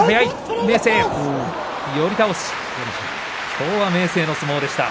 きょうは明生の相撲でした。